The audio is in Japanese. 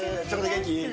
元気？